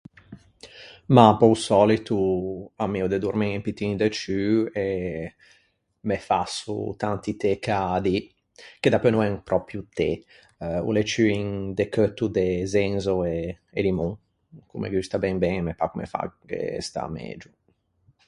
Mah pe-o sòlito ammio de dormî un pittin de ciù, e me fasso tanti té cadi, che dapeu no en pròpio té, o l’é ciù un decheutto de zenzao e e limon, ch’o me gusta ben ben e o me pâ ch’o me fagghe stâ megio.